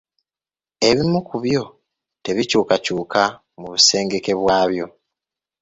Ebimu ku byo tebikyukakyuka mu busengeke bwabyo.